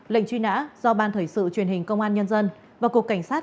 lệnh truy nã do ban thể sự truyền hình công an nhân dân và cục cảnh sát